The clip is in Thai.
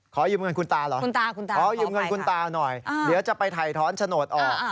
ขอยืมเงินคุณตาเหรอคุณตาคุณตาขอยืมเงินคุณตาหน่อยเดี๋ยวจะไปถ่ายท้อนโฉนดออก